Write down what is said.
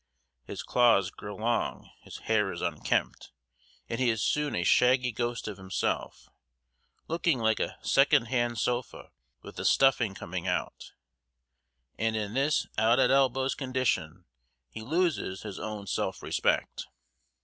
His claws grow long, his hair is unkempt and he is soon a shaggy ghost of himself, looking "like a second hand sofa with the stuffing coming out," and in this out at elbows condition he loses his own self respect.